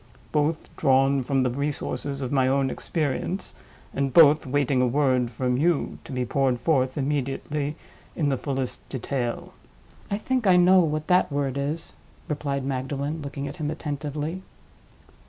Both drawn from the resources of my own experience, and both waiting a word from you, to be poured forth immediately in the fullest detail." "I think I know what that word is," replied Magdalen, looking at him attentively.